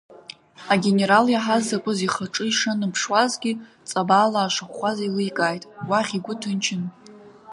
Агенерал иаҳаз закәыз ихаҿы ишанымԥшуазгьы, ҵабалаа шыӷәӷәаз еиликааит, уахь игәы ҭынчын.